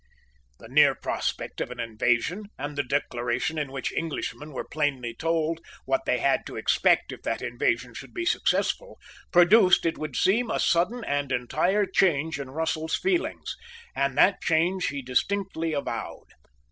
The near prospect of an invasion, and the Declaration in which Englishmen were plainly told what they had to expect if that invasion should be successful, produced, it should seem, a sudden and entire change in Russell's feelings; and that change he distinctly avowed.